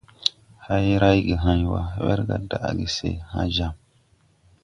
Hay rayge hãy wa, wɛrga daʼge se hãã jam.